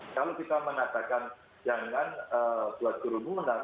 kalau kita mengatakan jangan buat kerumunan